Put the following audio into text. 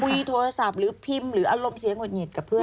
คุยโทรศัพท์หรือพิมพ์หรืออารมณ์เสียงหุดหงิดกับเพื่อน